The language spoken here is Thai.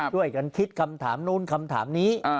ช่วยกันคิดคำถามนู้นคำถามนี้